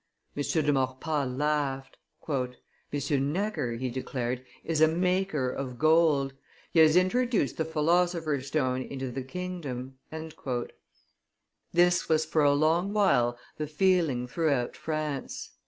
M. de Maurepas laughed. "M. Necker," he declared, "is a maker of gold; he has introduced the philosopher's stone into the kingdom." This was for a long while the feeling throughout France.